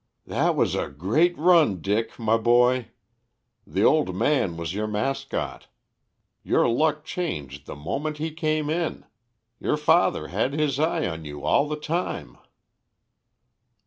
"That was a great run, Dick, my boy. The old man was your mascot. Your luck changed the moment he came in. Your father had his eye on you all the time."